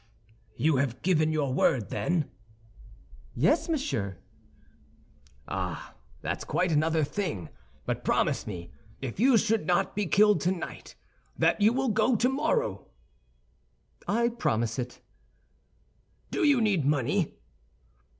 "You have given your word, then?" "Yes, monsieur." "Ah, that's quite another thing; but promise me, if you should not be killed tonight, that you will go tomorrow." "I promise it." "Do you need money?"